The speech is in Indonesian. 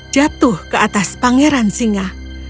jatuh ke atas pangeran singa